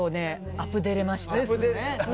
アプデれました。